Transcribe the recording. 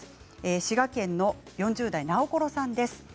滋賀県の４０代の方からです。